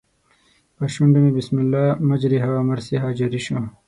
پر شونډو مې بسم الله مجریها و مرسیها جاري شو.